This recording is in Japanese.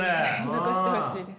残してほしいです。